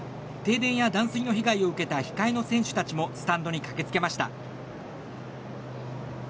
停電や断水の被害を受けた控えの選手たちもスタンドに駆けつけました。